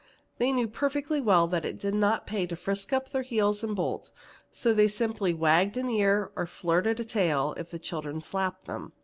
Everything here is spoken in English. They knew perfectly well that it didn't pay to frisk up their heels and bolt, so they simply wagged an ear or flirted a tail if the children slapped them.